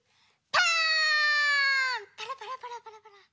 パラパラパラパラパラ。